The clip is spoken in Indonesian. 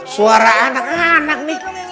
suara anak anak nih